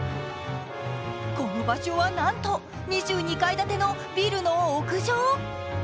この場所は、なんと２２階建てのビルの屋上。